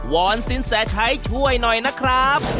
วอนสิ้นแสดงใช้ช่วยหน่อยนะครับ